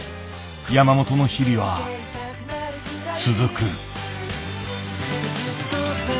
山本の日々は続く。